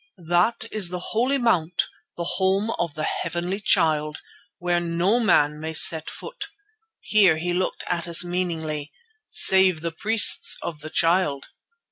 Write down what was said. "That is the Holy Mount, the Home of the Heavenly Child, where no man may set foot"—here he looked at us meaningly—"save the priests of the Child."